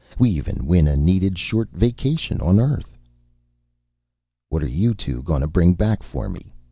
We even win a needed short vacation on Earth!" "What are you two gonna bring back for me?"